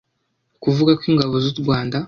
kuvuga ko ingabo z’u Rwanda